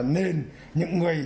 nên những người